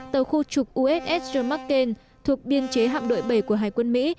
tàu khu trục uss jor mccain thuộc biên chế hạm đội bảy của hải quân mỹ